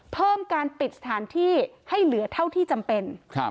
เพิ่มการปิดสถานที่ให้เหลือเท่าที่จำเป็น